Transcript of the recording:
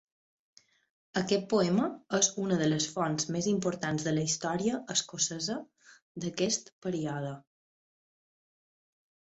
Aquest poema és una de les fonts més importants de la història escocesa d'aquest període.